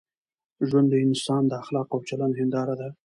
ژوند د انسان د اخلاقو او چلند هنداره ده.